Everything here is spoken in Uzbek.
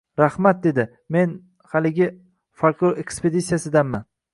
— Rahmat, — dedi. — Men… haligi… folklor ekspeditsiyasidanman.